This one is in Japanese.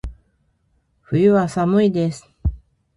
冬は、寒いです。